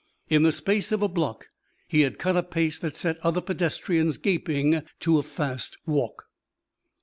In the space of a block he had cut a pace that set other pedestrians gaping to a fast walk.